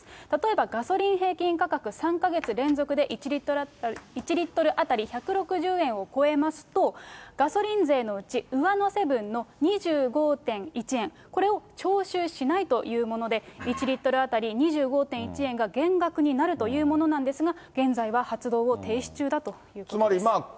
例えばガソリン平均価格３か月連続で１リットル当たり１６０円を超えますと、ガソリン税のうち、上乗せ分の２５．１円、これを徴収しないというもので、１リットル当たり２５．１円が減額になるというものなんですが、現在は発動を停止中だということです。